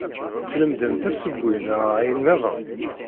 Tlemdemt asewwi neɣ ayen nniḍen?